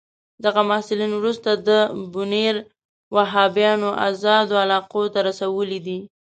دغه محصلین وروسته د بونیر وهابیانو آزادو علاقو ته رسولي دي.